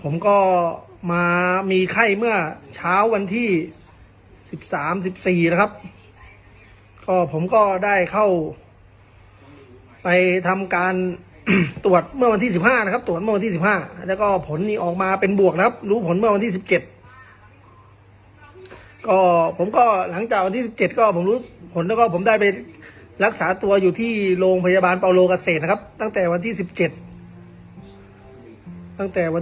ผมก็มามีไข้เมื่อเช้าวันที่สิบสามสิบสี่นะครับก็ผมก็ได้เข้าไปทำการตรวจเมื่อวันที่สิบห้านะครับตรวจเมื่อวันที่สิบห้าแล้วก็ผลนี้ออกมาเป็นบวกนะครับรู้ผลเมื่อวันที่๑๗ก็ผมก็หลังจากวันที่สิบเจ็ดก็ผมรู้ผลแล้วก็ผมได้ไปรักษาตัวอยู่ที่โรงพยาบาลเปาโลเกษตรนะครับตั้งแต่วันที่สิบเจ็ดตั้งแต่วัน